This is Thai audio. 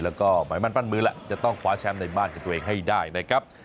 แล้วก็หมายมั่นปั้นมือแหละจะต้องคว้าแชมป์ในบ้านของตัวเองให้ได้นะครับ